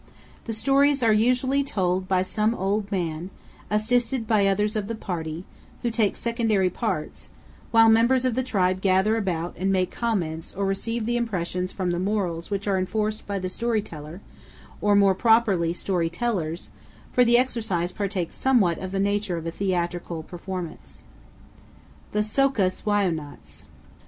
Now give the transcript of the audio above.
The stories are usually told by some old man, assisted by others of the party, who take secondary parts, while the members of the tribe gather about and make comments or receive impressions from the morals which are enforced by the story teller, or, more properly, story tellers; for the exercise partakes somewhat of the nature of a theatrical performance. THE SO'KUS WAI'UNATS.